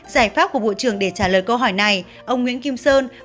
giải pháp của bộ trưởng để trả lời câu hỏi này ông nguyễn kim sơn